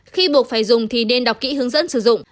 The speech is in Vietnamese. khi buộc phải dùng thì nên đọc kỹ hướng dẫn sử dụng